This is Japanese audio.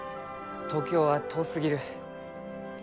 東京は遠すぎる。